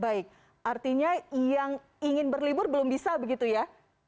baik artinya yang ingin berlibur belum bisa begitu ya